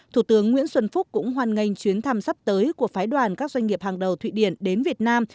thủ tướng nguyễn xuân phúc cũng hoan nghênh chuyến thăm sắp tới của phái đoàn các doanh nghiệp hàng đầu thụy điển đến việt nam